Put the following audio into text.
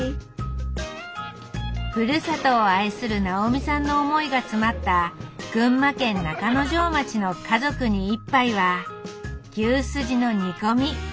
ふるさとを愛する奈緒美さんの思いが詰まった群馬県中之条町の「家族に一杯」は「牛すじの煮込み」。